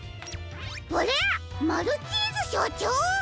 あれ⁉マルチーズしょちょう！